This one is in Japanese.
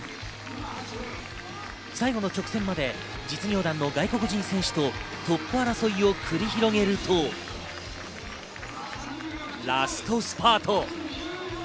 最後の直線まで実業団の外国人選手とトップ争いを繰り広げると、ラストスパート。